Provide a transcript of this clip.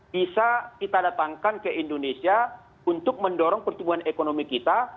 bisa kita datangkan ke indonesia untuk mendorong pertumbuhan ekonomi kita